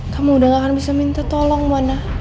kamu udah gak akan bisa minta tolong mana